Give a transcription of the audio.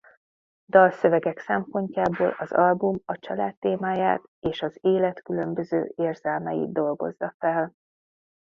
Dalszövegek szempontjából az album a család témáját és az élet különböző érzelmeit dolgozza fel.